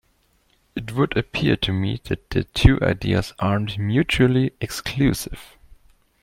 It would appear to me that the two ideas aren't mutually exclusive.